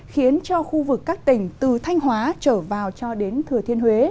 khiến cho khu vực các tỉnh từ thanh hóa trở vào cho đến thừa thiên huế